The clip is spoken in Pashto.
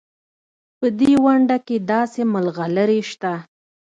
په دې ونډه کې داسې ملغلرې شته.